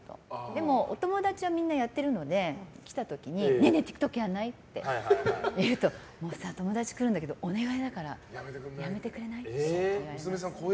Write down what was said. でもお友達はみんなやってるので、来た時にねえねえＴｉｋＴｏｋやらない？って言うともうさ、友達来るんだけどお願いだからやめてくれない？って。